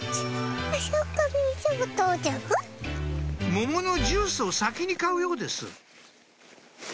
桃のジュースを先に買うようです